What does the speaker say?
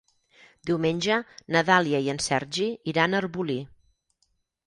Diumenge na Dàlia i en Sergi iran a Arbolí.